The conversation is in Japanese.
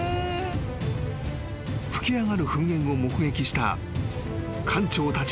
［噴き上がる噴煙を目撃した艦長たちの判断だった］